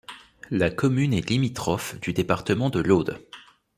La commune est limitrophe du département de l'Aude.